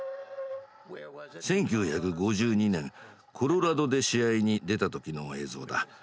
１９５２年コロラドで試合に出た時の映像だ。